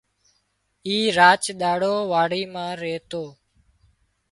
اي راچ ۮاڙو واڙي مان ريتو